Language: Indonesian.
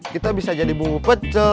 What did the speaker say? kita bisa jadi bumbu pecel